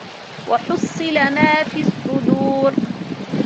وَحُصِّلَ مَا فِي الصُّدُورِ